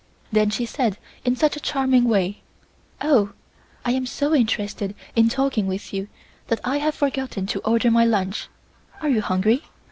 Then she said in such a charming way: "Oh! I am so interested in talking with you that I have forgotten to order my lunch. Are you hungry?